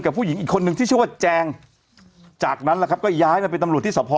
ผู้หญิงอีกคนนึงที่ชื่อว่าแจงจากนั้นแหละครับก็ย้ายมาเป็นตำรวจที่สะพอ